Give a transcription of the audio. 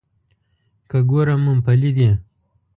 که ګورم مومپلي دي.